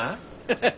ハハハ。